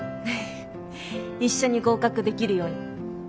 フフ一緒に合格できるように。